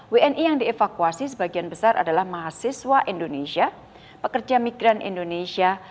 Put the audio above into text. wni yang dievakuasi sebagian besar adalah mahasiswa indonesia pekerja migran indonesia